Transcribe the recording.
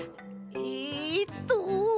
えっと。